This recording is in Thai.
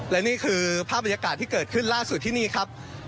และนี่คือภาพบรรยากาศที่เกิดขึ้นล่าสุดที่นี่ครับ